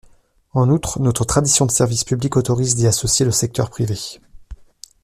En outre, notre tradition de service public autorise d’y associer le secteur privé.